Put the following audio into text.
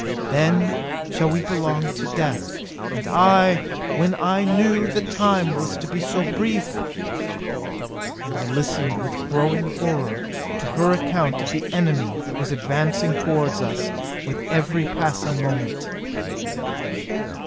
Then shall we belong to death! And I when I knew the time was to be so brief " And I listened with growing horror to her account of the enemy that was advancing toward us with every passing moment.